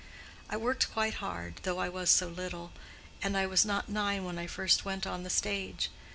I worked quite hard, though I was so little; and I was not nine when I first went on the stage.